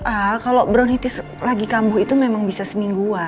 al kalau brownitis lagi kambuh itu memang bisa semisal